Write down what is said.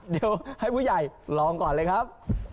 เดี๋ยวให้ผู้ใหญ่ลองก่อนเลยครับ